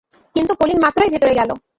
কিন্তু পলিন মাত্রই ভেতরে গেল।